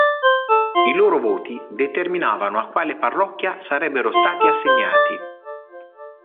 I loro voti determinavano a quale parrocchia sarebbero stati assegnati.